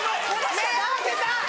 目合わせた！